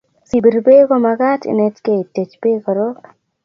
si pir peek ko magat inetkei itiech peek korok